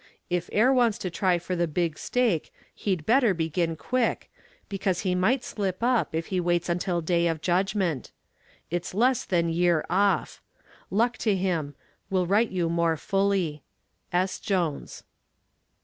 If heir wants to try for the big stake he'd better begin quick, because he might slip up if he waits until day of judgment. It's less than year off. Luck to him. Will write you more fully. S. JONES.